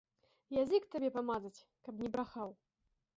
Язык табе памазаць, каб не брахаў.